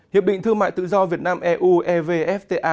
hiệp định thương mại tự do việt nam eu evfta